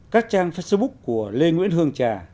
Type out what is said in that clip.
các trang facebook của lê nguyễn hương trà